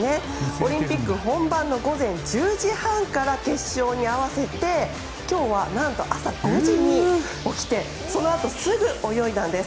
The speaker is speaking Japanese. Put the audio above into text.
オリンピック本番の午前１０時半から決勝に合わせて今日は何と、朝５時に起きてそのあとすぐ泳いだんです。